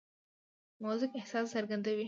موزیک احساس څرګندوي.